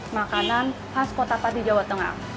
makanan khas kota pati jawa tengah